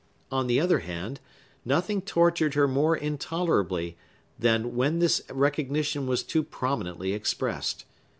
On the other hand, nothing tortured her more intolerably than when this recognition was too prominently expressed.